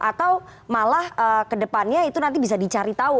atau malah kedepannya itu nanti bisa dicari tahu